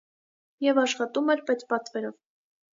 Եւ աշխատում էր պետպատվերով։